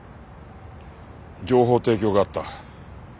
情報提供があった。